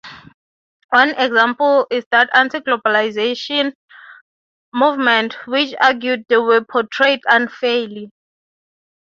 One example is the anti-globalization movement, which argued they were portrayed unfairly.